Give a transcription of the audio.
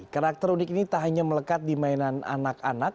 karakter unik ini tak hanya melekat di mainan anak anak